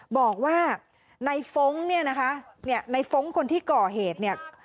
บอกว่านายฟงค์เนี่ยนะคะนายฟงค์คนที่ก่อเหตุเนี่ย